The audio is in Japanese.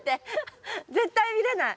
絶対見れない。